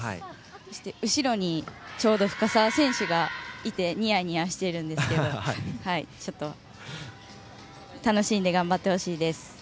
そして後ろにちょうど深沢選手がいてニヤニヤしているんですけど楽しんで頑張ってほしいです。